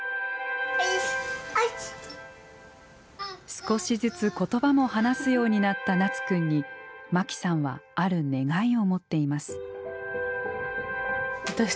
少しずつ言葉も話すようになったなつくんにまきさんはある願いを持っています。